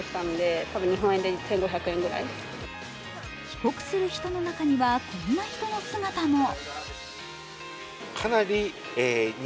帰国する人の中には、こんな人の姿も。